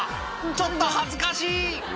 ちょっと恥ずかしい。